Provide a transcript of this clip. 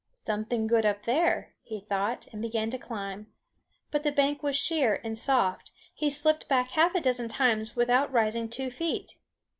"Something good up there," he thought, and began to climb. But the bank was sheer and soft; he slipped back half a dozen times without rising two feet.